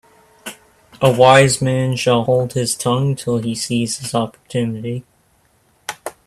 A wise man shall hold his tongue till he sees his opportunity.